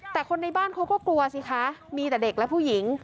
แต่คนในบ้านเขาก็กลัวสิคะมีแต่เด็กและผู้หญิง